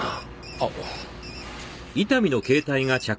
あっ。